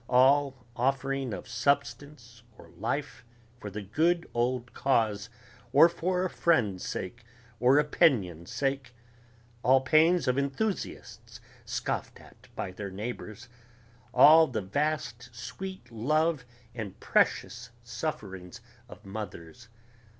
all offering of substance or life for the good old cause, or for a friend's sake or opinion's sake ... all pains of enthusiasts scoffed at by their neighbors ... all the vast sweet love and precious sufferings of mothers